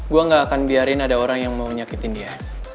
gue gak akan biarin ada orang yang mau nyakitin dia